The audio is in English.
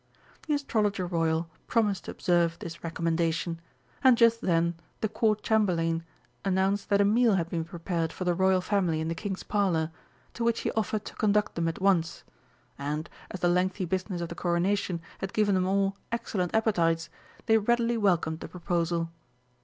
The Astrologer Royal promised to observe this recommendation, and just then the Court Chamberlain announced that a meal had been prepared for the Royal Family in the King's Parlour, to which he offered to conduct them at once. And, as the lengthy business of the Coronation had given them all excellent appetites, they readily welcomed the proposal.